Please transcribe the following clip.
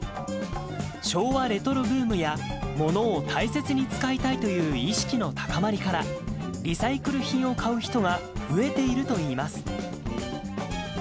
昭和レトロブームや、ものを大切に使いたいという意識の高まりから、リサイクル品を買う人が増えているといいます。